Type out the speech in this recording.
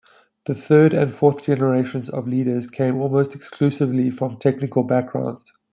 The third and fourth generations of leaders came almost exclusively from technical backgrounds.